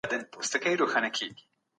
د ورور مال په خوشالۍ سره واخلئ.